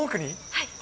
はい。